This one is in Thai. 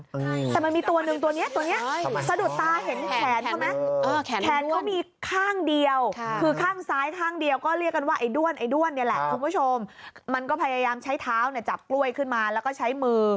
แต่มันมีตัวนึงตัวนี้สะดุดตาเห็นแขนเขาไหม